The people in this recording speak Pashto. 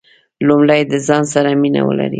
لومړی د ځان سره مینه ولرئ .